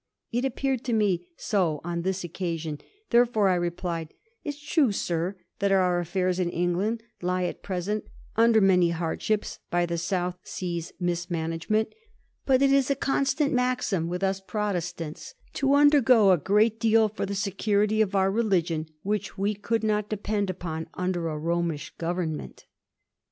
It appeared to me so on this occasion ; there fore I replied, ^'It's true, sir, that our affairs in England lie at present under many hardships by the South Seas mismanagement; but it is a constant maxim with us Protestants to undergo a great deal for the security of our religion, which we could not depend upon imder a Romish Government."